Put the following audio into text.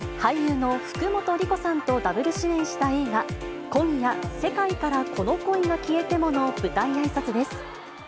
道枝さんが出席したのは、俳優の福本莉子さんとダブル主演した映画、今夜、世界からこの恋が消えてもの舞台あいさつです。